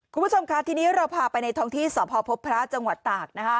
คุณผู้ชมค่ะทีนี้เราพาไปในท้องที่สพพบพระจังหวัดตากนะคะ